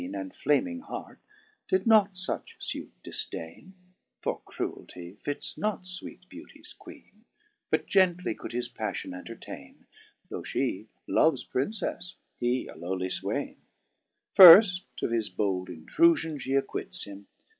And flaming heart, did not fuch fuite difdaine, (For cruelty fits not fweete Beauties queene) But gently could his paffion entertaine. Though (he Loves princeffe, he a lowly iwaine. Firft of his bold intrufion fhe acquites him.